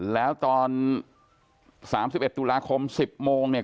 แล้วตอน๓๑ตุลาคม๑๐โมงเนี่ย